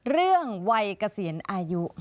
เรื่องวัยเกษียณอายุ